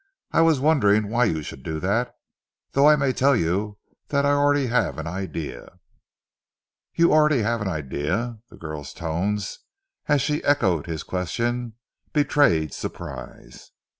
"I am wondering why you should do that, though I may tell you that I already have an idea." "You already have an idea?" the girl's tones, as she echoed his question, betrayed surprise.